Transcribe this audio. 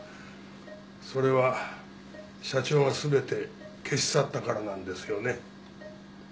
それは社長が全て消し去ったからなんですよね？